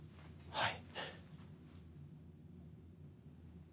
はい。